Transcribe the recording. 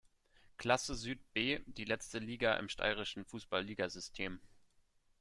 Klasse Süd B", die letzte Liga im steirischen Fußball-Ligasystem.